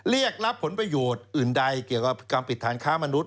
เรียกรับผลประโยชน์อื่นใดเกี่ยวกับการปิดฐานค้ามนุษย